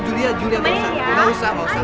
julia julia gak usah